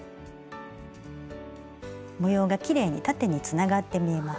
模様がきれいに縦につながって見えます。